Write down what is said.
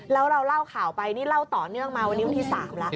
แล้วเราเล่าข่าวไปนี่เล่าต่อเนื่องมาวันนี้วันที่๓แล้ว